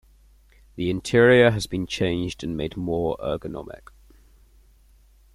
The interior has been changed and made more ergonomic.